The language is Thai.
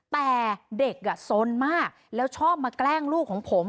แต่เด็กสนมากแล้วชอบมาแกล้งลูกของผม